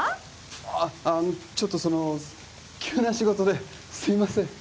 ああのちょっとその急な仕事ですいません